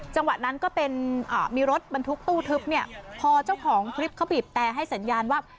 จังหวะนั้นก็เป็นมีรถบรรทุกตู้ทึบเนี่ยพอเจ้าของคลิปเขาบีบแต่ให้สัญญาณว่า